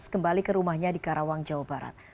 kembali ke rumahnya di karawang jawa barat